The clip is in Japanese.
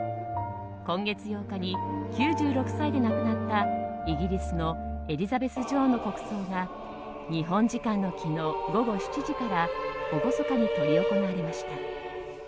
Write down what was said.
今月８日に９６歳で亡くなったイギリスのエリザベス女王の国葬が日本時間の昨日午後７時から厳かに執り行われました。